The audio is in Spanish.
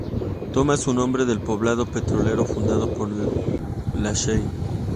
Toma su nombre del poblado petrolero fundado por la Shell.